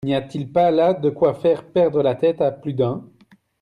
N'y a-t-il pas là de quoi faire perdre la tête à plus d'un ?